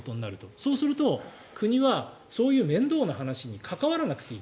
そうすると国はそういう面倒な話に関わらなくていい。